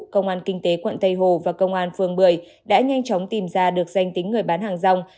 công an kinh tế quận tây hồ và công an phường một mươi đã nhanh chóng tìm ra được danh tính người bán hàng rong